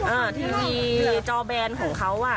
อ่าทีวีจอแบรนด์ของเขาอ่ะ